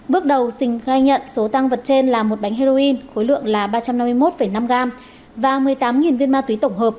bước đầu sình khai nhận số tăng vật trên là một bánh heroin khối lượng là ba trăm năm mươi một năm gram và một mươi tám viên ma túy tổng hợp